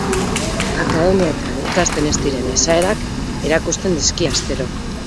Akademietan ikasten ez diren esaerak erakusten dizkie astero.